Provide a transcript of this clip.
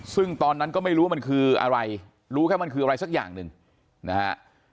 ซึ่งตอนนั้นก็ไม่รู้ว่ามันคืออะไรรู้แค่มันคืออะไรสักอย่างหนึ่งนะฮะ